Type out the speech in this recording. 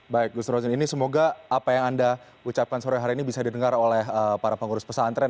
baik gus rozin ini semoga apa yang anda ucapkan sore hari ini bisa didengar oleh para pengurus pesantren